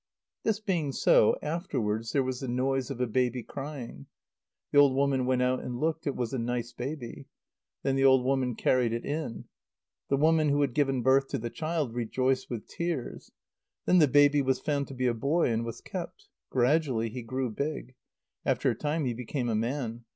This being so, afterwards there was the noise of a baby crying. The old woman went out, and looked. It was a nice baby. Then the old woman carried it in. The woman who had given birth to the child rejoiced with tears. Then the baby was found to be a boy, and was kept. Gradually he grew big. After a time he became a man.